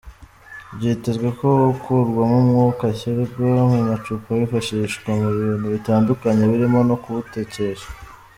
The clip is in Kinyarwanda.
Byitezwe ko ukurwamo umwuka ushyirwa mu macupa wifashishwa mu bintu bitandukanye birimo no kuwutecyesha.